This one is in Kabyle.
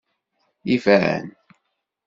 Iban.